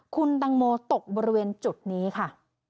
คุณตังโมตกบริเวณจุดนี้ค่ะ